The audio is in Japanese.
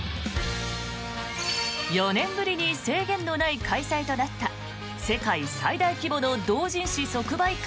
４年ぶりに制限のない開催となった世界最大規模の同人誌即売会